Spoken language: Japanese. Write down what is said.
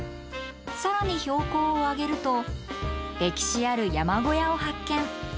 更に標高を上げると歴史ある山小屋を発見。